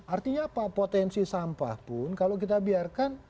artinya apa potensi sampah pun kalau kita biarkan